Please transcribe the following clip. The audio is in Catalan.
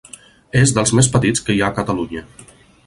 És dels més petits que hi ha a Catalunya.